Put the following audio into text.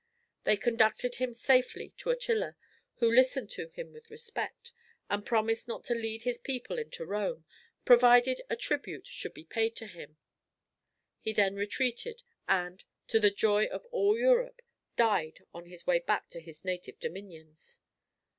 They conducted him safely to Attila, who listened to him with respect, and promised not to lead his people into Rome, provided a tribute should be paid to him. He then retreated, and, to the joy of all Europe, died on his way back to his native dominions.